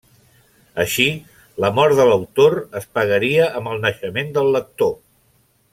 Així, la mort de l'autor es pagaria amb el naixement del lector.